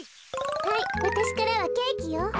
はいわたしからはケーキよ。